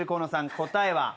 答えは？